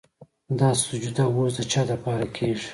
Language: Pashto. دا سجده وس د چا دپاره کيږي